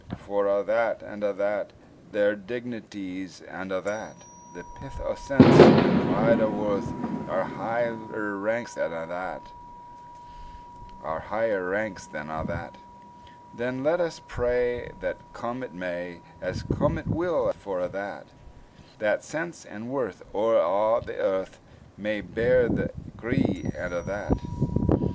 For a' that, and a' that; Their dignities, and a' that, The pith o' sense, and pride o' worth, Are higher ranks than a' that. Then let us pray that come it may, As come it will for a' that, That sense and worth, o'er a' the earth, May bear the gree, and a' that.